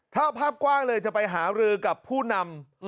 ถ้าภาพกว้างเลยจะไปหารือกับผู้นำ